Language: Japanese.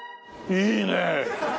いいね！